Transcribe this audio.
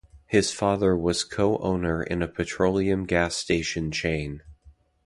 His father was co-owner in a petroleum gas station chain.